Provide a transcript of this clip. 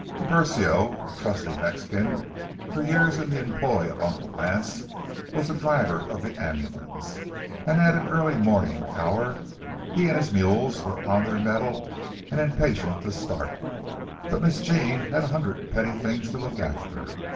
Tiburcio, a trusty Mexican, for years in the employ of Uncle Lance, was the driver of the ambulance, and at an early morning hour he and his mules were on their mettle and impatient to start. But Miss Jean had a hundred petty things to look after.